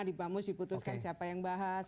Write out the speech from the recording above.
di bamus diputuskan siapa yang bahas